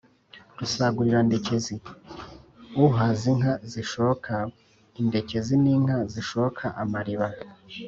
rusagurirandekezi: uhaza inka zishoka: indekezi ni inka zishoka amariba